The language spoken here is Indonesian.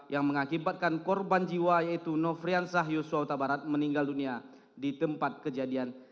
yang mengakibatkan korban jiwa yaitu nofrian sahius syahuta barat meninggal dunia di tempat kejadian